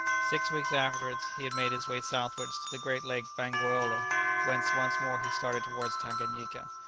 Six weeks afterwards he had made his way southwards to the great lake Bangweolo, whence once more he started towards Tanganyika.